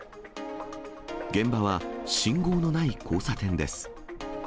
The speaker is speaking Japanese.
現場は、信号のない交差点です。